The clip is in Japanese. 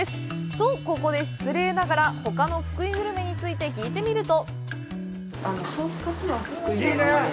と、ここで失礼ながらほかの福井市グルメについて聞いてみると。